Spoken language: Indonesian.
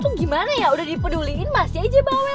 gimana ya sudah dipeduliin mas jai j bawel